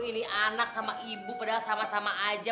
ini anak sama ibu padahal sama sama aja